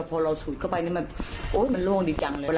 เป็นที่เซ็นเซอร์